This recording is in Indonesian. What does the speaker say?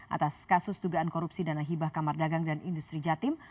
atas kasus dugaan korupsi dana hibah kamar dagang dan industri jatim